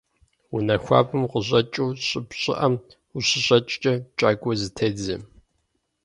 Унэ хуабэм укъыщӀэкӀыу щӀыб щӀыӀэм ущыщӏэкӀкӀэ кӀагуэ зытедзэ.